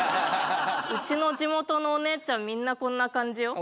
うちの地元のおねえちゃんみんなこんな感じよ？